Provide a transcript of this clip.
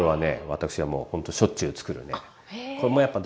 私はもうほんとしょっちゅうつくるね。